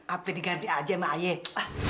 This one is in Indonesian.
apa diganti aja sama ayek